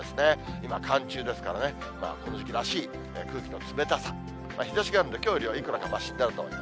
今、寒中ですからね、この時期らしい空気の冷たさ、日ざしがあるんで、きょうよりはいくらかましになると思います。